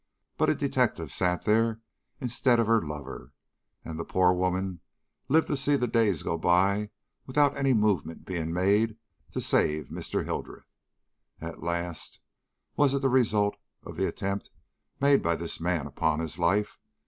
But a detective sat there instead of her lover, and the poor woman lived to see the days go by without any movement being made to save Mr. Hildreth. At last was it the result of the attempt made by this man upon his life?